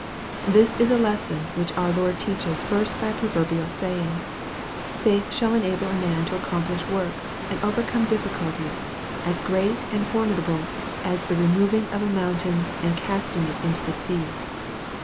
This is a lesson which our Lord teaches first by a proverbial saying. Faith shall enable a man to accom plish works, and overcome difficulties, as great and formidable as the " removing of a mountain, and casting it into the sea."